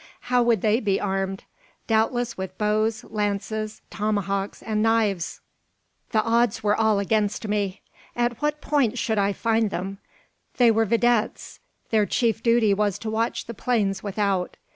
How would they be armed? Doubtless with bows, lances, tomahawks, and knives. The odds were all against me. At what point should I find them? They were videttes. Their chief duty was to watch the plains without.